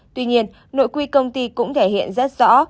tuy nhiên nội quy công ty cũng thể hiện rất rõ